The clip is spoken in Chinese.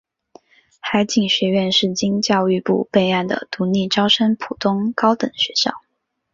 海警学院是经教育部备案的独立招生普通高等学校。